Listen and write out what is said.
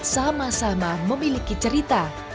sama sama memiliki cerita